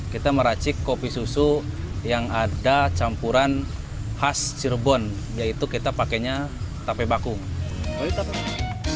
kita meracik kopi susu yang ada campuran khas cirebon yaitu kita pakainya tape bakung